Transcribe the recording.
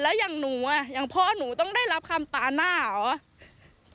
แล้วอย่างหนูอ่ะอย่างพ่อหนูต้องได้รับคำตาหน้าเหรอ